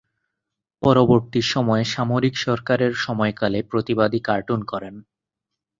পরবর্তী সময়ে সামরিক সরকারের সময়কালে প্রতিবাদী কার্টুন করেন।